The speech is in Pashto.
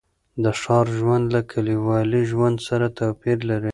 د ښار ژوند له کلیوالي ژوند سره توپیر لري.